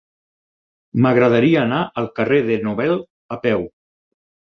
M'agradaria anar al carrer de Nobel a peu.